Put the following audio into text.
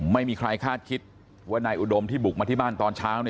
ไม่มีใครคาดคิดว่านายอุดมที่บุกมาที่บ้านตอนเช้า